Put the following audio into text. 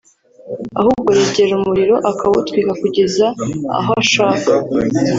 ahubwo yegera umuriro akawutwika kugeza ugeze aho ashaka